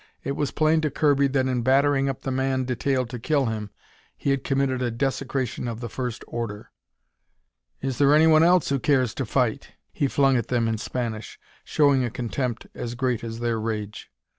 It was plain to Kirby that in battering up the man detailed to kill him, he had committed a desecration of first order. "Is there anyone else who cares to fight?" he flung at them in Spanish, showing a contempt as great as their rage.